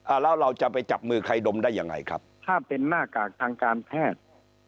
แล้วเราจะไปจับมือใครดมได้ยังไงครับถ้าเป็นหน้ากากทางการแพทย์